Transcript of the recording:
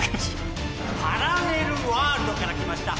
パラレルワールドから来ました